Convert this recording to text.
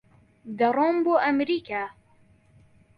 دەڕۆم بۆ ئەمریکا.